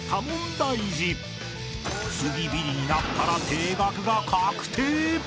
［次ビリになったら停学が確定！